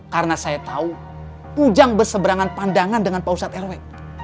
karena saya tahu ujang berseberangan pandangan dengan pausat eroi